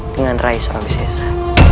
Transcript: dengan rai surawisesa